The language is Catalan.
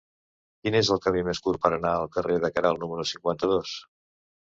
Quin és el camí més curt per anar al carrer de Queralt número cinquanta-dos?